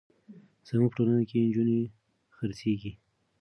زموږ په ټولنه کې نجونې خرڅېږي.